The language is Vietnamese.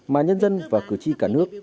mà nhân dân và cử tri cả nước